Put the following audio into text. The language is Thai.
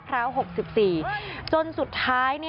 กระทั่งตำรวจก็มาด้วยนะคะ